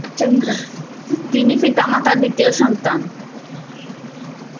তিনি তার পিতামাতার দ্বিতীয় সন্তান।